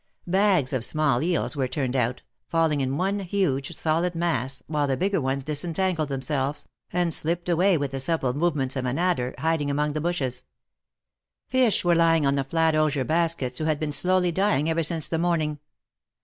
Bags of small eels were turned out, falling in one huge, solid mass, while the bigger ones dis entangled themselves, and slipped away with the supple movements of an adder, hiding among the bushes. Fish were lying on the flat osier baskets, who had been slowly dying ever since the morning.